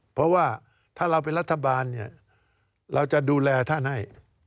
เพราะว่าถ้าเราเป็นรัฐบาลเนี่ยเราจะดูแลท่านให้